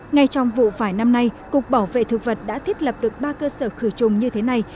ngay trong vụ vải năm nay cục bảo vệ thực vật đã thiết lập được ba cơ sở khử trùng như thế này